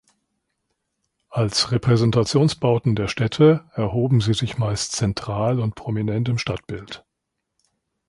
Als Repräsentationsbauten der Städte erhoben sie sich meist zentral und prominent im Stadtbild.